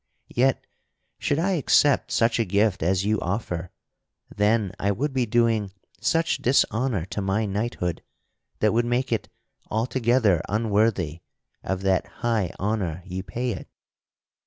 Yet should I accept such a gift as you offer, then I would be doing such dishonor to my knighthood that would make it altogether unworthy of that high honor you pay it.